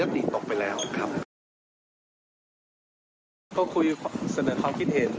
ที่คิดว่า